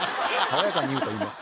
爽やかに言うた今。